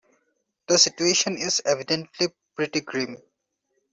The situation is evidently pretty grim.